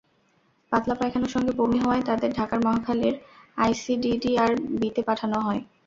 পাতলা পায়খানার সঙ্গে বমি হওয়ায় তাঁদের ঢাকার মহাখালীর আইসিডিডিআর, বিতে পাঠানো হয়।